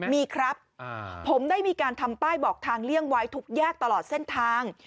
มีครับผมได้มีการทำป้ายบอกทางเลี่ยงไว้ทุกแยกตลอดเส้นทาง